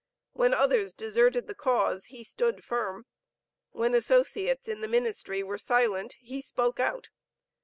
When others deserted the cause he stood firm; when associates in the ministry were silent he spoke out.